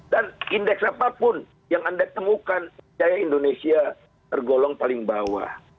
dan indeks apapun yang anda temukan saya indonesia tergolong paling bawah